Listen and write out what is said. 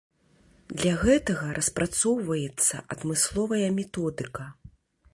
Для гэтага распрацоўваецца адмысловая методыка.